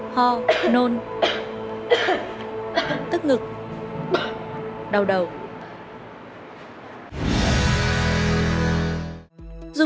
ho nôn tức ngực đau đầu